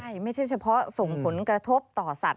ใช่ไม่ใช่เฉพาะส่งผลกระทบต่อสัตว